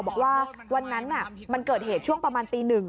บอกว่าวันนั้นมันเกิดเหตุช่วงประมาณตี๑